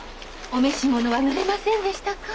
お召し物はぬれませんでしたか？